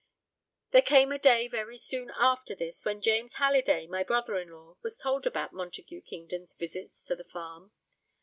There came a day very soon after this when James Halliday, my brother in law, was told about Montague Kingdon's visits to the farm.